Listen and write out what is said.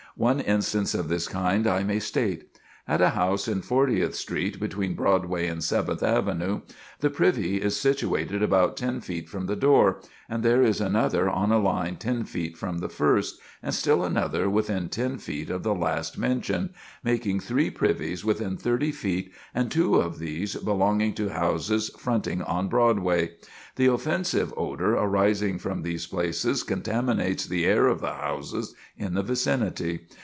One instance of this kind I may state: At a house in Fortieth Street, between Broadway and Seventh Avenue, the privy is situated about 10 feet from the door, and there is another on a line 10 feet from the first, and still another within 10 feet of the last mentioned, making three privies within 30 feet, and two of these belong to houses fronting on Broadway. The offensive odor arising from these places contaminates the air of the houses in the vicinity.